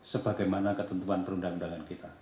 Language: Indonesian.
sebagaimana ketentuan perundang undangan kita